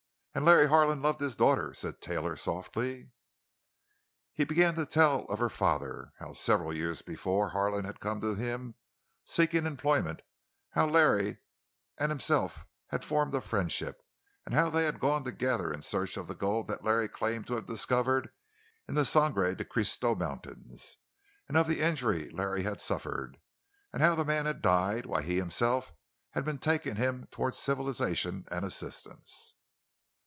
"And Larry Harlan loved his daughter," said Taylor softly. He began to tell her of her father; how several years before Harlan had come to him, seeking employment; how Larry and himself had formed a friendship; how they had gone together in search of the gold that Larry claimed to have discovered in the Sangre de Christo Mountains; of the injury Larry had suffered, and how the man had died while he himself had been taking him toward civilization and assistance.